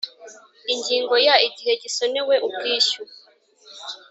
Ingingo ya Igihe gisonewe ubwishyu